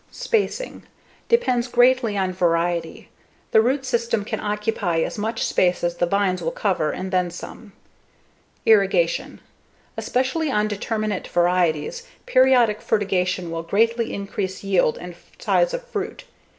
Spacing: Depends greatly on variety. The root system can occupy as much space as the vines will cover and then some. Irrigation: Especially on determinate varieties, periodic fertigation will greatly increase yield and size of fruit.